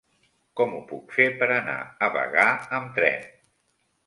Com ho puc fer per anar a Bagà amb tren?